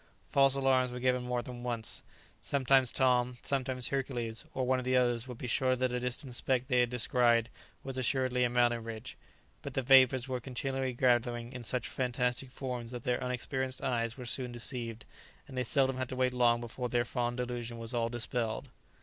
False alarms were given more than once. Sometimes Tom, sometimes Hercules, or one of the others would be sure that a distant speck they had descried was assuredly a mountain ridge; but the vapours were continually gathering in such fantastic forms that their unexperienced eyes were soon deceived, and they seldom had to wait long before their fond delusion was all dispelled.